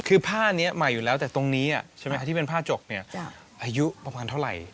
คือผ้านี้ใหม่อยู่แล้วแต่ตรงนี้ใช่ไหมที่เป็นผ้าจกเนี่ยอายุประมาณเท่าไหร่